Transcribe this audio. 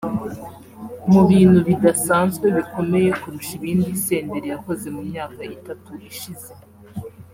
Mu bintu bidasanzwe bikomeye kurusha ibindi Senderi yakoze mu myaka itatu ishize